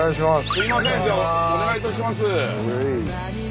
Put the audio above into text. すいませんじゃあお願いいたします。